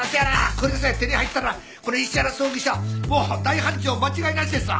これさえ手に入ったらこの石原葬儀社はもう大繁盛間違いなしですわ！